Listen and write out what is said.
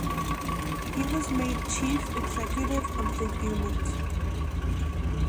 He was made Chief Executive of the unit.